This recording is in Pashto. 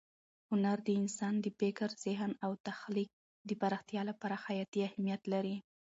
هنر د انسان د فکر، ذهن او تخلیق د پراختیا لپاره حیاتي اهمیت لري.